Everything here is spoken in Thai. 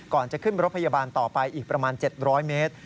จะขึ้นรถพยาบาลต่อไปอีกประมาณ๗๐๐เมตร